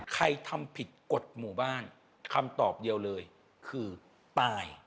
ทำผิดกฎหมู่บ้านคำตอบเดียวเลยคือตาย